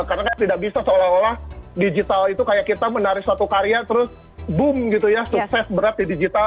karena kan tidak bisa seolah olah digital itu kayak kita menari suatu karya terus boom gitu ya sukses berat di digital